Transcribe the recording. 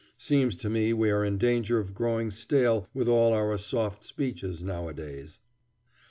Seems to me we are in danger of growing stale with all our soft speeches nowadays.